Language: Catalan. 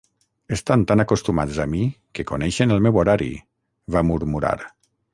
"Estan tan acostumats a mi que coneixen el meu horari", va murmurar.